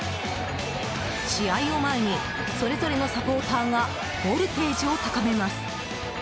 試合を前にそれぞれのサポーターがボルテージを高めます。